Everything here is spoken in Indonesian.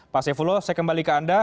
pak saifullah saya kembali ke anda